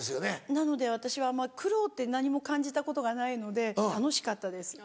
なので私はあんま苦労って何も感じたことがないので楽しかったです。